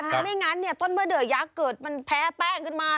อย่างนั้นต้นเมือเดือยักษ์เกิดมันแพ้แป้งขึ้นมา